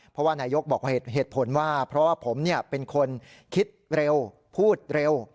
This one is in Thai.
เพราะว่านายกบอกเหตุผลว่าเพราะว่าผมเป็นคนคิดเร็วพูดเร็ว